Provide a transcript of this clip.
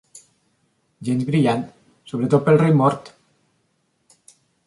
Gens brillant, sobretot pel rei mort.